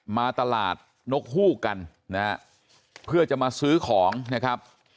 มาตลาดนกฮูกกันนะฮะเพื่อจะมาซื้อของนะครับ